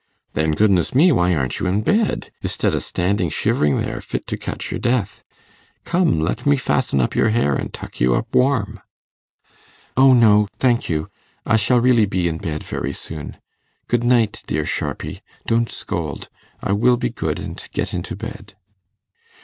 'Then, goodness me! why aren't you in bed, istid o' standing shivering there, fit to catch your death? Come, let me fasten up your hair and tuck you up warm.' 'O no, thank you; I shall really be in bed very soon. Good night, dear Sharpy; don't scold; I will be good, and get into bed.